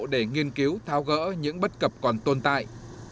để nghiên cứu thao gỡ những bất cập còn tồn tại